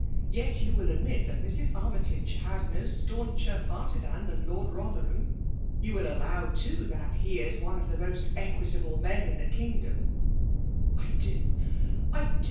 Yet you will admit that Mrs. Annyta^ lias no Btauneher partizaa than Lord Bo<her« ham ? You will allow> too^ that he is one of the most equitable men in the kingdcmi T ''I doj I do!